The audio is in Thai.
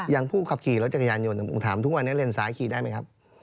อย่างผู้ขับขี่รถจักรยานยนต์ผมถามทุกวันนี้เลนซ้ายขี่ได้ไหมครับ